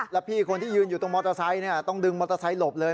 แล้วพี่คนที่ยืนอยู่ตรงมอเตอร์ไซค์ต้องดึงมอเตอร์ไซค์หลบเลย